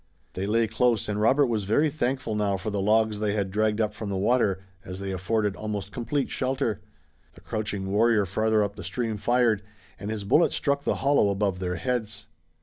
They lay close and Robert was very thankful now for the logs they had dragged up from the water, as they afforded almost complete shelter. The crouching warrior farther up the stream fired, and his bullet struck the hollow above their heads.